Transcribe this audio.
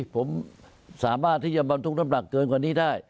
ผมสามารถที่จะบรรทุกน้ำหนักเกินกว่านี้ได้